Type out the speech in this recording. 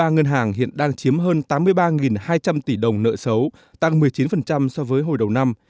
ba ngân hàng hiện đang chiếm hơn tám mươi ba hai trăm linh tỷ đồng nợ xấu tăng một mươi chín so với hồi đầu năm